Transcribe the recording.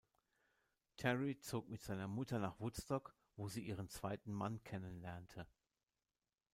Terry zog mit seiner Mutter nach Woodstock, wo sie ihren zweiten Mann kennenlernte.